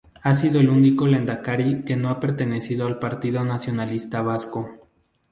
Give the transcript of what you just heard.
Ha sido el único Lendakari que no ha pertenecido al Partido Nacionalista Vasco.